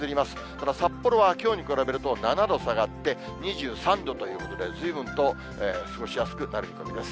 ただ、札幌はきょうに比べると７度下がって２３度ということで、ずいぶんと過ごしやすくなる見込みです。